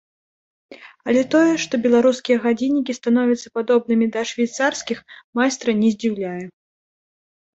Але тое, што беларускія гадзіннікі становяцца падобнымі да швейцарскіх, майстра не здзіўляе.